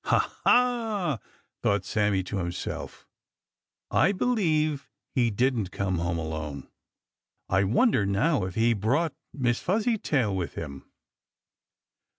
"Ha, ha!" thought Sammy to himself, "I believe he didn't come alone, I wonder now if he brought Miss Fuzzytail with him."